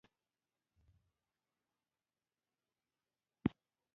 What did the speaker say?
نصرالمرجان من مشکلات القرآن